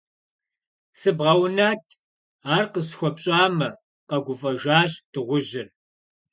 Сыбгъэунат, ар къысхуэпщӀамэ, - къэгуфӀэжащ дыгъужьыр.